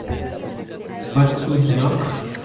What's Up, Doc?